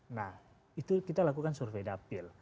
nah itu kita lakukan survei dapil